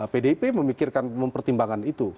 pdip memikirkan mempertimbangkan itu